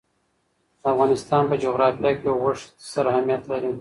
د افغانستان په جغرافیه کې غوښې ستر اهمیت لري.